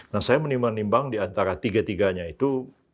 nah saya menimbang nimbang diantara tiga tiganya itu